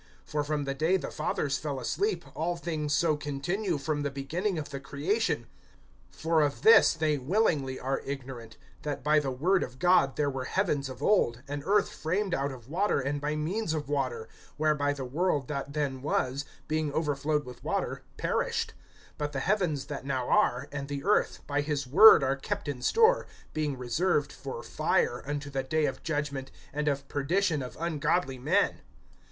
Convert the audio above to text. for from the day the fathers fell asleep, all things so continue, from the beginning of the creation. (5)For of this they willingly are ignorant, that by the word of God there were heavens of old, and earth framed out of water and by means of water, (6)whereby the world that then was, being overflowed with water, perished; (7)but the heavens that now are, and the earth, by his word are kept in store, being reserved for fire unto the day of judgment and of perdition of ungodly men.